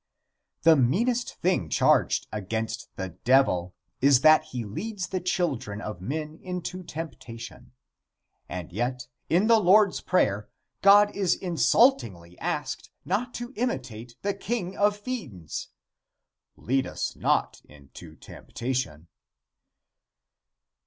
The meanest thing charged against the Devil is that he leads the children of men into temptation, and yet, in the Lord's Prayer, God is insultingly asked not to imitate the king of fiends. "Lead us not into temptation."